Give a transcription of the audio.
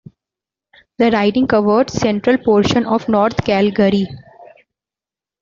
The riding covered central portion of north Calgary.